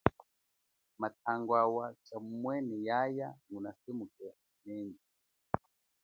Matangwawa tshamumwene yaya nguna semukanenyi.